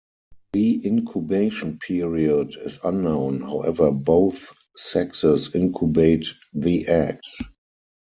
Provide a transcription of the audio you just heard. The incubation period is unknown, however both sexes incubate the eggs.